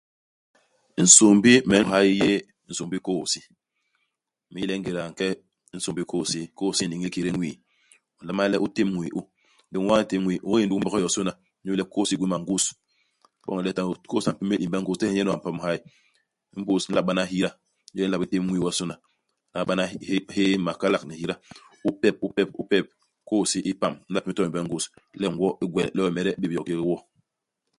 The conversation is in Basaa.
Insômbi me nlôôha yi u yé nsômbi u kôh-hisi. Me n'yi le ingéda u nke i nsômbi u kôy-hisi, kôy-hisi i n'niñ i kédé ñwii. U nlama le u tém iñwii u. Ndi inwaa u ntém iñwii u, u ñé ndugi mbok yosôna, inyu le kôy-hisi i gwéé mangus. Iboñ le to kôy-hisi i mpémél imbe ngus, tehe nye nuu a mpam hay. Imbus u nla bana hida, inyu le u nla bé tém ñwii wonsôna. U nlama bana hyé hyéé ni makalak ni hida. U pep, u pep, u pep. Kôy-hisi i pam. I nla pémél to imbe ngus. Le ngwo ii gwel, le wemede u bép yo kék, i wo.